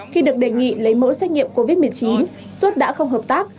khi được đề nghị lấy mẫu xét nghiệm covid một mươi chín xuất đã không hợp tác